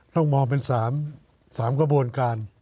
ต้องมองเป็น๓กระบวนการ